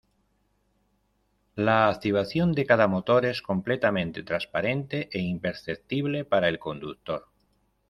La activación de cada motor es completamente transparente e imperceptible para el conductor.